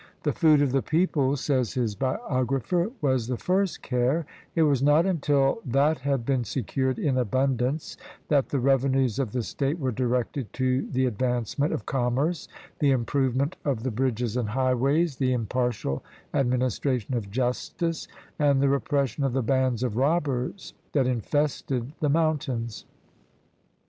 "The food of the people," says his biographer, "was the first care; it was not until that had been secured in abundance that the revenues of the state were directed to the advancement of commerce, the improvement of the bridges and highways, the im partial administration of justice, and the repression of the bands of robbers that infested the mountains."